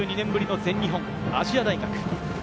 ２２年ぶりの全日本、亜細亜大学。